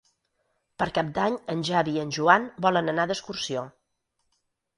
Per Cap d'Any en Xavi i en Joan volen anar d'excursió.